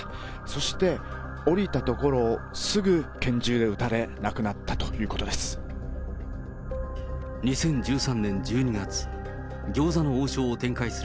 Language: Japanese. そして、降りたところをすぐ拳銃で撃たれ、亡くなったということです。